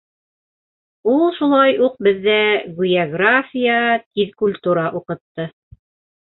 Ул шулай уҡ беҙҙә, Гүйәграфия, Тиҙкультура уҡытты...